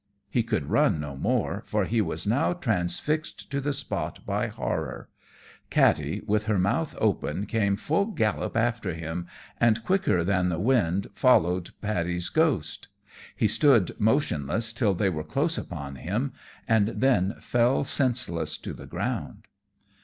He could run no more, for he was now transfixed to the spot by horror. Katty, with her mouth open, came full gallop after him, and quicker than the wind followed Paddy's ghost. He stood motionless till they were close upon him, and then fell senseless to the ground.